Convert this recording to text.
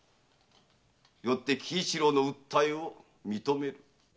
よって喜一郎の訴えを認める。